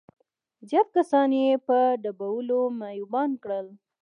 زيات کسان يې په ډبولو معيوبان کړل.